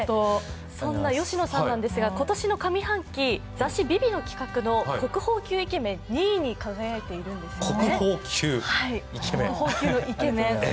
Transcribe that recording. そんな吉野さんですが、上半期、雑誌「ＶｉＶｉ」の企画で国宝級イケメン２位に輝いているんですね。